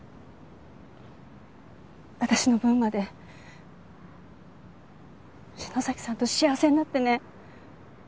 私の分まで篠崎さんと幸せになってね。